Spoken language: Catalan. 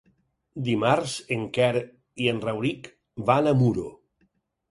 Dimarts en Quer i en Rauric van a Muro.